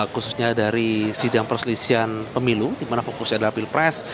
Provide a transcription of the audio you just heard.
khususnya dari sidang perselisian pemilu di mana fokusnya adalah pilpres